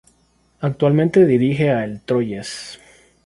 Actualmente dirige al Troyes.